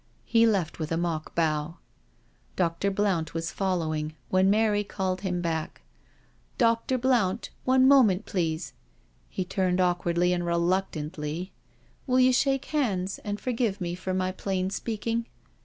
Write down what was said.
He left with a mock bow. Dr. Blount was following, when Mary called him back. " Dr. Blount, one moment, please "— ^he turned awk wardly and reluctantly. " Will you shake hands and IN THE PUNISHMENT CELL 295 forgive me for my plain speaking.